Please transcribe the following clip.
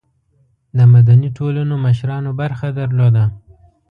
د مدني ټولنو مشرانو برخه درلوده.